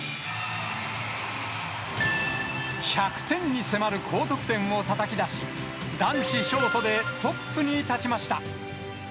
１００点に迫る高得点をたたき出し、男子ショートでトップに立ちました。